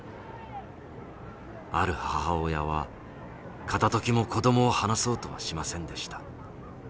ある母親は片ときも子どもを離そうとはしませんでした。